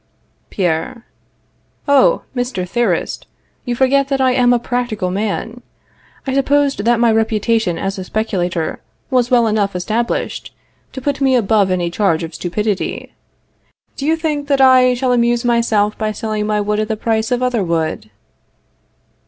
Pierre. Oh! Mr. Theorist, you forget that I am a practical man. I supposed that my reputation as a speculator was well enough established to put me above any charge of stupidity. Do you think that I shall amuse myself by selling my wood at the price of other wood?